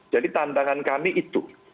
jadi tantangan kami itu